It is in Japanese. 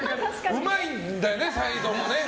うまいんだよね、サイドもね。